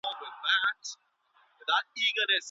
ټولنیزه ارواپوهنه د ګروپ اغیز څیړي.